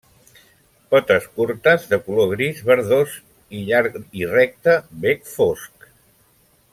Potes curtes de color gris verdós i llarg i recte bec fosc.